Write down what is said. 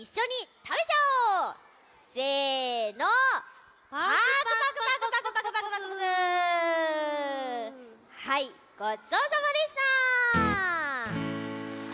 はいごちそうさまでした！